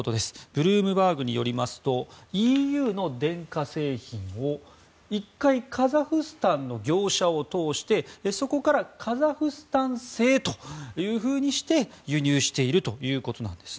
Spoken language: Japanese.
ブルームバーグによりますとＥＵの電化製品を１回カザフスタンの業者を通してそこからカザフスタン製というふうにして輸入しているということです。